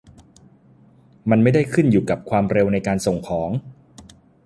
มันไม่ได้ขึ้นอยู่กับความเร็วในการส่งของ